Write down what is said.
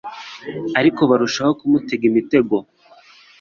Ariko barushaho kumutega imitego;